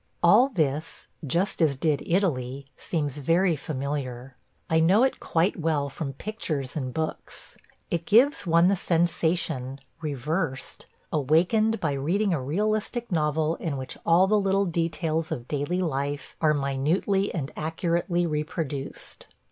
All this, just as did Italy, seems very familiar. I know it quite well from pictures and books. It gives one the sensation – reversed – awakened by reading a realistic novel in which all the little details of daily life are minutely and accurately reproduced.